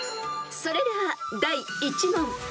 ［それでは第１問］